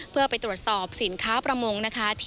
เพื่อไปตรวจสอบสินค้าประมงนะคะ